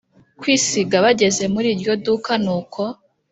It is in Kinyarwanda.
kwisiga bageze muriryo duka nuko